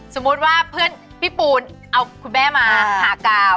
สมมุติว่าเพื่อนพี่ปูนเอาคุณแม่มาหากาว